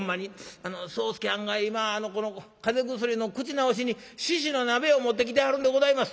「あの宗助はんが今風邪薬の口直しに猪の鍋を持ってきてはるんでございます」。